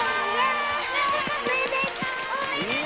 おめでとう！